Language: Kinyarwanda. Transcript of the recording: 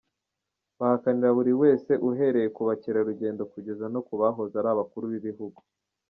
Bahakanira buri wese, uhereye ku bakerarugendo kugeza no ku bahoze ari abakuru b’ibihugu.